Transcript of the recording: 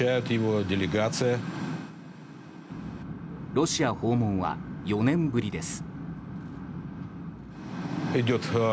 ロシア訪問は４年ぶりです。